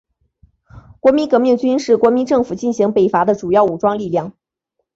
国民革命军是国民政府进行北伐的主要武装力量。